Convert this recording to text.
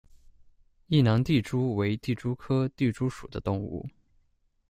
异囊地蛛为地蛛科地蛛属的动物。